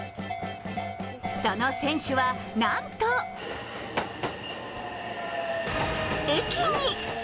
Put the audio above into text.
その選手はなんと駅に。